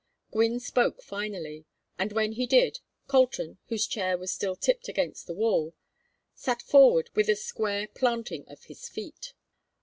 Gwynne spoke finally, and when he did, Colton, whose chair was still tipped against the wall, sat forward with a square planting of his feet.